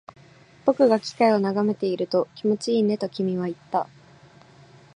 僕が機械を眺めていると、気持ちいいねと君は言った